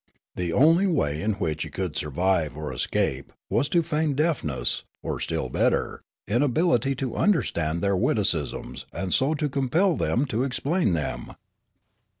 The onl}' wa} in which he could survive or escape was to feign deafness or, still better, inabilit}' to understand their witticisms and so to compel them to explain them.